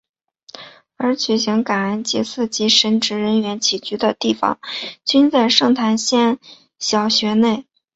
而举行感恩祭及神职人员起居的地方均在圣云仙小学内。